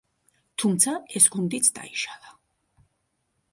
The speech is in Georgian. თუმცა ეს გუნდიც დაიშალა.